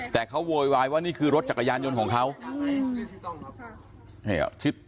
แต่เขาโวยวายว่านี่คือรถจักรยานยนต์ของเขาอืมชื่อต้องครับใช่หรอ